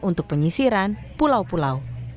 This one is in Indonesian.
untuk penyisiran pulau pulau